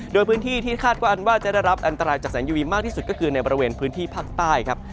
โดยพื้นที่ที่คาดว่าอันว่าจะได้รับอันตรายจากแสงยูวีมากที่สุดก็คือในบริเวณพื้นที่ภาคใต้ครับ